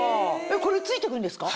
これ付いて来るんですか？